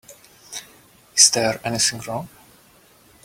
Is there anything wrong?